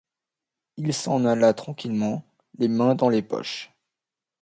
Il s’en alla tranquillement, les mains dans les poches.